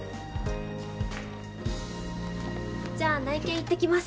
じゃあ内見行ってきます。